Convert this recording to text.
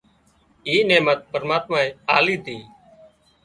اي نحمت پرماتمائي آلي تي